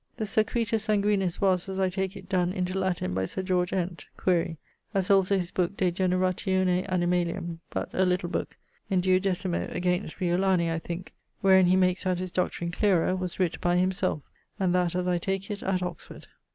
The Circuitus Sanguinis was, as I take it, donne into Latin by Sir George Ent (quaere), as also his booke de Generatione Animalium, but a little book in 12ᵐᵒ against Riolani (I thinke), wherein he makes out his doctrine clearer, was writt by himselfe, and that, as I take it, at Oxford.